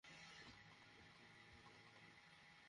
Kathy, তুমি কিছু পেয়েছ?